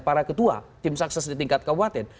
para ketua tim sukses di tingkat kabupaten